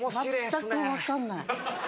全くわかんない。